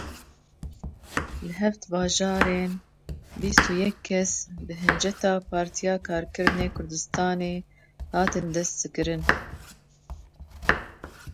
Li heft bajaran bîst û yek kes bi hinceta Partiya Karkerên Kurdistanê hatin destesekirin.